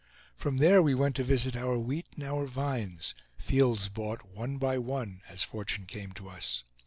From there we went to visit our wheat and our vines, fields bought one by one as fortune came to us.